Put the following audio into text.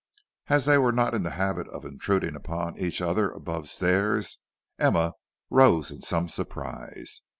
As they were not in the habit of intruding upon each other above stairs, Emma rose in some surprise.